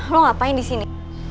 lo ngapain disini